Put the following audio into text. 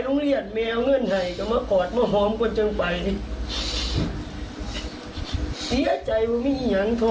เชี่ยใจว่าไม่เชียงทอ